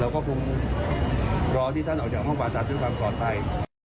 ก็คงรอที่ท่านออกจากห้องผ่าตัดด้วยความปลอดภัย